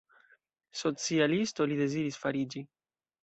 Socialisto li deziris fariĝi.